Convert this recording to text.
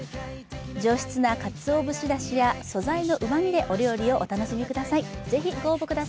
上質なかつお節だしや素材のうまみでお料理をお楽しみください。